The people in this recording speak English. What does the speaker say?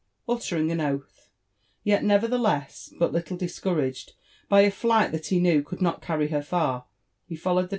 Uttering an oath, yet nevertheless but little discouraged by a flight that he knew could not carry her far, he followed the.